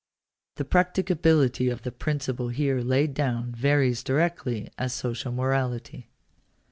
The \ practicability of the principle here laid down varies directly as > social morality.